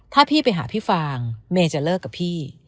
ถ้าพี่ไปหาพี่ฟางเมย์จะเลิกกับพี่